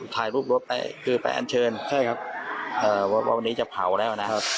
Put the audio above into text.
ถ่ายรูปรับไปคือแปลอันเชิญว่าวันนี้จะเผาแล้วนะ